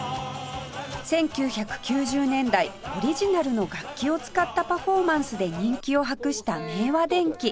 １９９０年代オリジナルの楽器を使ったパフォーマンスで人気を博した明和電機